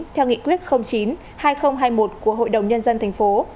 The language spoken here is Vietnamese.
theo nghị quyết chín hai nghìn hai mươi một của hội đồng nhân dân tp